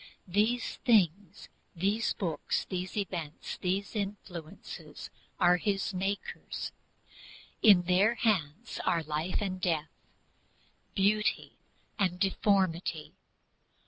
These things, these books, these events, these influences are his makers. In their hands are life and death, beauty and deformity.